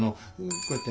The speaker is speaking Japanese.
こうやって。